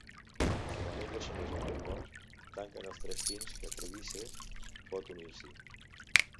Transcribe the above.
Quan ella s'uneix al punt mort, tanquen els tres fins que Trevize pot unir-s'hi.